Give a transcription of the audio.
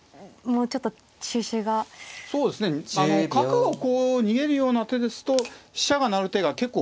角をこう逃げるような手ですと飛車が成る手が結構。